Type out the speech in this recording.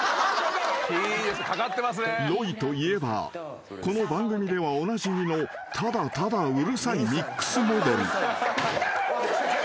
［ロイといえばこの番組ではおなじみのただただうるさいミックスモデル］